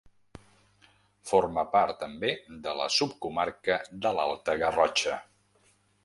Forma part també de la subcomarca de l'Alta Garrotxa.